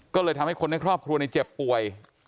ก็เลยทำให้คนในครอบครัวในเจ็บป่วย